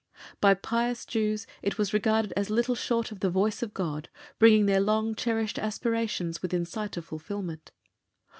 By pious Jews it was regarded as little short of the Voice of God, bringing their long cherished aspirations within sight of fulfilment.